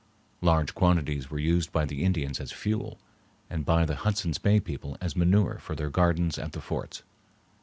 Large quantities were used by the Indians as fuel, and by the Hudson's Bay people as manure for their gardens at the forts.